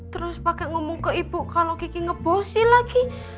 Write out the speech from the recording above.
terus pakai ngomong ke ibu kalau kiki ngebosi lagi